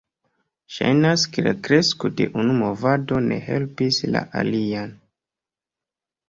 Ŝajnas ke la kresko de unu movado ne helpis la alian.